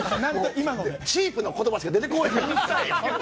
チープな言葉しか出てこないから！